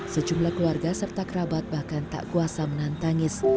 sejumlah keluarga serta kerabat bahkan tak kuasa menantangis